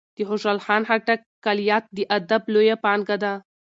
د خوشال خان خټک کلیات د ادب لویه پانګه ده.